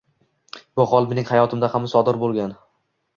Bu hol mening hayotimda ham sodir bo‘lgan.